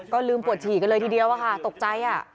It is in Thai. ก็ลืมปวดฉี่กันเลยทีเดียวอะค่ะตกใจ